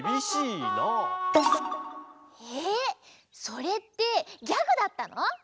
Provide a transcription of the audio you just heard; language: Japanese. それってギャグだったの？